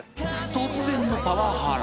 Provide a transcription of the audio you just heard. ［突然のパワハラ］